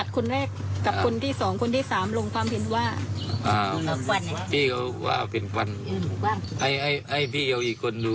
เขาก็บอกว่ามันน่าจะเป็นฟันมนุษย์นะ